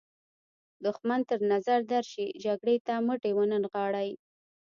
دښمن تر نظر درشي جګړې ته مټې ونه نغاړئ.